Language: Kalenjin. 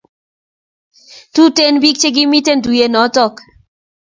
Tuten pik che kimiten tuyet noton